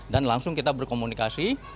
dan langsung kita berkomunikasi